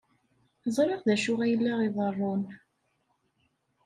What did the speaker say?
Ẓriɣ d acu ay la iḍerrun.